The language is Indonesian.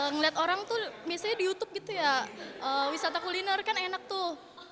ngeliat orang tuh biasanya di youtube gitu ya wisata kuliner kan enak tuh